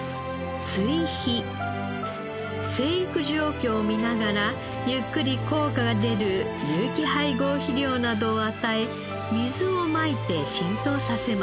生育状況を見ながらゆっくり効果が出る有機配合肥料などを与え水をまいて浸透させます。